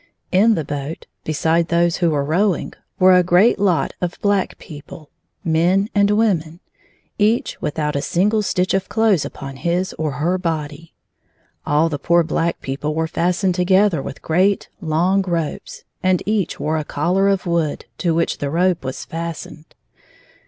In the boat, beside those who were rowing, were a great lot of black people men and women — each without a single stitch of clothes upon his or her body. All the poor black people were fastened together with great, long ropes, and each wore a collar of wood, to which the rope was fastened.